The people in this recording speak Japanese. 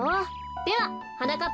でははなかっ